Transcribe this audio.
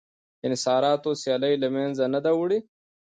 انحصاراتو سیالي له منځه نه ده وړې